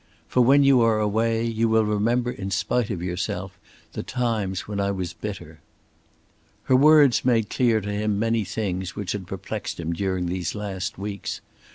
For when you are away, you will remember, in spite of yourself, the times when I was bitter." Her words made clear to him many things which had perplexed him during these last weeks.